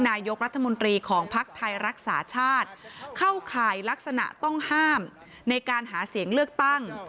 นายกรัฐมนตรีของภักดิ์ไทยรักษาชาติเข้าข่ายลักษณะต้องห้ามในการหาเสียงเลือกตั้ง